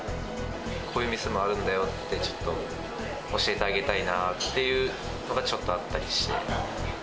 こういう店もあるんだよって、ちょっと教えてあげたいなっていうのが、ちょっとあったりして。